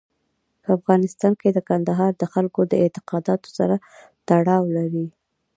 په افغانستان کې کندهار د خلکو د اعتقاداتو سره تړاو لري.